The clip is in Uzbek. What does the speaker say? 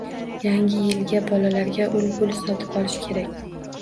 Yangi yilga bolalarga ul-bul sotib olish kerak